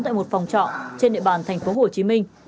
tại một phòng trọ trên địa bàn tp hồ chí minh